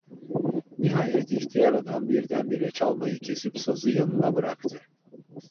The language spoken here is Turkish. Nihayet ihtiyar adam birdenbire çalmayı kesip, sazı yanına bıraktı.